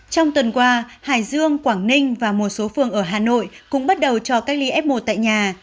trong tuần qua hải dương quảng ninh và một số phương ở hà nội cũng bắt đầu cho cách ly f một tại nhà